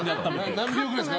何秒ぐらいっすか？